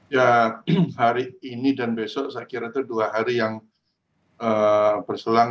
ya hari ini dan besok saya kira itu dua hari yang berselang